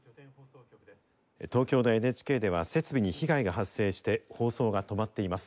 東京のＮＨＫでは設備に被害が発生して放送が止まっています。